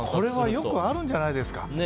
よくあるんじゃないですかね